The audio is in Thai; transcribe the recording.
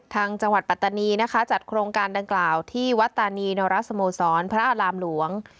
จังหวัดปัตตานีนะคะจัดโครงการดังกล่าวที่วัดตานีนรสโมสรพระอารามหลวง